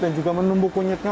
dan juga menumbuk kunyitnya